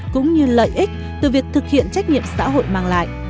cũng như lợi ích từ việc thực hiện trách nhiệm xã hội mang lại